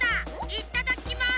いっただきます！